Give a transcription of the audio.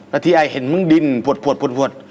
แล้วที่ไอเห็นมึงดินปวดปวด